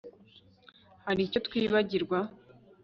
Hari icyo twibagirwa